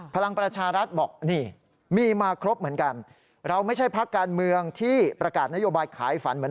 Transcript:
พลังประชารัฐบอกนี่มีมาครบเหมือนกัน